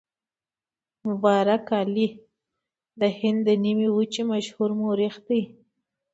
مبارک علي د هند د نیمې وچې مشهور مورخ دی.